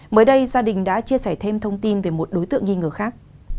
mới đây gia đình đã chia sẻ thêm thông tin về một đối tượng nghi ngờ khác